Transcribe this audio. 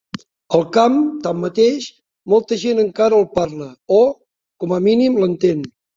Al camp, tanmateix, molta gent encara el parla o, com a mínim, l'entén.